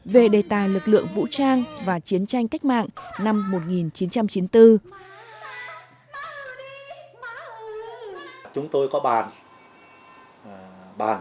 về đề tài lực lượng vũ trang và chiến tranh cách mạng năm một nghìn chín trăm chín mươi bốn